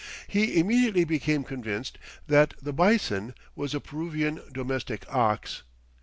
He immediately became convinced that the "bison" was a Peruvian domestic ox.